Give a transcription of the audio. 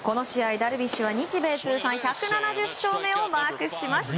ダルビッシュは日米通算１７０勝目をマークしました。